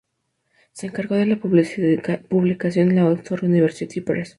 Se encargó de la publicación la Oxford University Press.